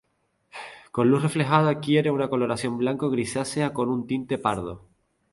Con luz reflejada adquiere una coloración blanco grisácea con un tinte pardo.